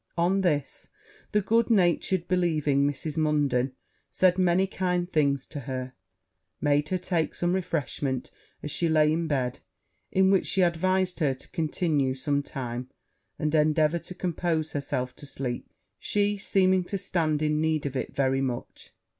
On this, the good natured believing Mrs. Munden said many kind things to her made her take some refreshment as she lay in bed, in which she advised her to continue some time, and endeavour to compose herself to sleep, she seeming to stand in need of it very much.